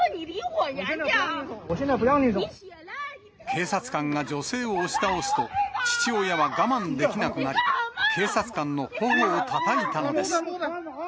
警察官が女性を押し倒すと、父親は我慢できなくなり、警察官のほほをたたいたのです。